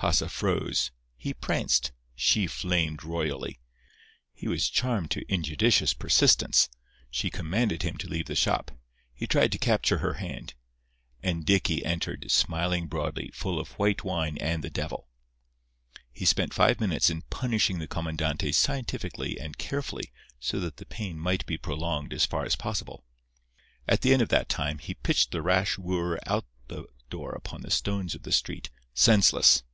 Pasa froze; he pranced; she flamed royally; he was charmed to injudicious persistence; she commanded him to leave the shop; he tried to capture her hand,—and Dicky entered, smiling broadly, full of white wine and the devil. He spent five minutes in punishing the comandante scientifically and carefully, so that the pain might be prolonged as far as possible. At the end of that time he pitched the rash wooer out the door upon the stones of the street, senseless.